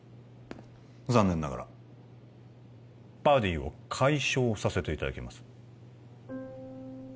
残念ながらバディを解消させていただきます